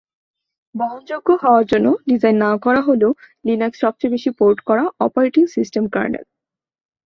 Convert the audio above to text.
বহনযোগ্য হওয়ার জন্যে ডিজাইন না করা হলেও লিনাক্স সবচেয়ে বেশি পোর্ট করা অপারেটিং সিস্টেম কার্নেল।